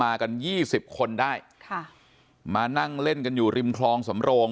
มากันยี่สิบคนได้ค่ะมานั่งเล่นกันอยู่ริมคลองสำโรง